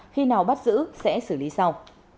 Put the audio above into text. khi nào bắt giữ sẽ xử lý sau